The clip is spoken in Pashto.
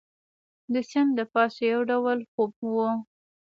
د سیند له پاسه یو ډول خوپ وو.